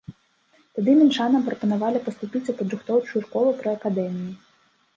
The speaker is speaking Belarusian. Тады мінчанам прапанавалі паступіць у падрыхтоўчую школу пры акадэміі.